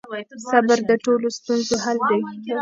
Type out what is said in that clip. صبر د ټولو ستونزو حل دی.